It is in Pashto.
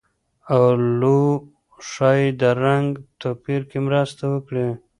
اولو ښايي د رنګ توپیر کې مرسته وکړي.